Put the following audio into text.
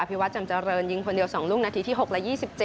พี่วัดจำเจริญยิงคนเดียว๒ลูกนาทีที่๖และ๒๗